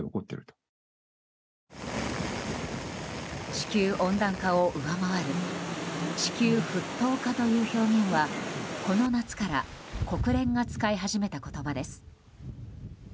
地球温暖化を上回る地球沸騰化という表現はこの夏から国連が使い始めた言葉です。